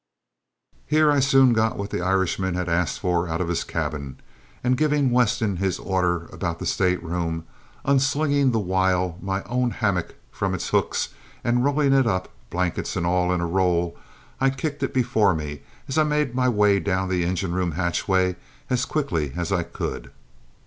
Here I soon got what the Irishman had asked for out of his cabin, and, giving Weston his order about the state room, unslinging the while my own hammock from its hooks and rolling it up, blankets and all, in a roll, I kicked it before me as I made my way down the engine room hatchway as quickly as I could.